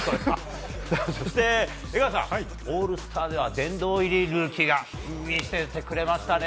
江川さん、オールスターでは殿堂入りルーキーが見せてくれましたね。